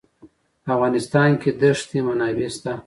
په افغانستان کې د دښتې منابع شته.